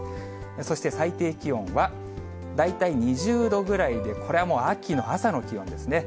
そして、最低気温は大体２０度ぐらいで、これはもう秋の朝の気温ですね。